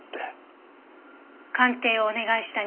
鑑定をお願いした